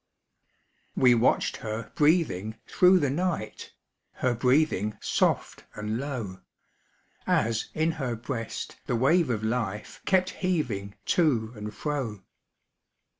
We watched her breathing through the night, Her breathing soft and low, As in her breast the wave of life Kept heaving to and fro.